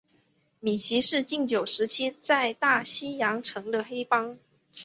米奇是禁酒时期在大西洋城的黑帮。